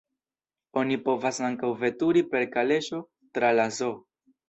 Oni povas ankaŭ veturi per kaleŝo tra la zoo.